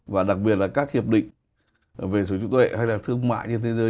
và đặc biệt là các hiệp định về sở hữu trí tuệ hay là thương mại trên thế giới